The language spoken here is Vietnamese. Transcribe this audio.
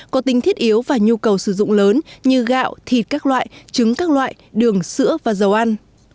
có tính thiết yếu và nhu cầu sử dụng lớn như gạo thịt các loại trứng các loại đường sữa và dầu ăn